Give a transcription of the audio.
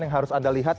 yang harus anda lihat